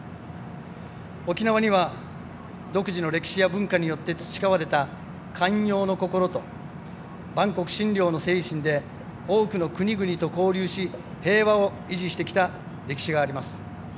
沖縄には、独自の歴史や文化によって培われた寛容の心と万国津梁の精神で多くの国々と交流し平和を維持してきた歴史があります。